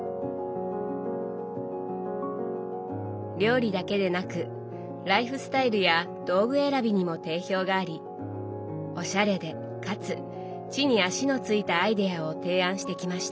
料理だけでなくライフスタイルや道具選びにも定評がありおしゃれでかつ地に足のついたアイデアを提案してきました。